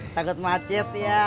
takut macet ya